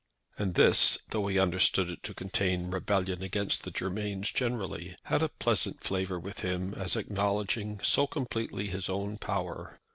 And this, though he understood it to contain rebellion against the Germains generally, had a pleasant flavour with him as acknowledging so completely his own power.